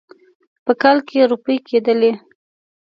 په کال کې روپۍ کېدلې.